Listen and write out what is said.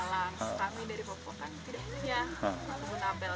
kami dari popok kami tidak punya